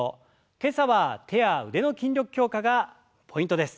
今朝は手や腕の筋力強化がポイントです。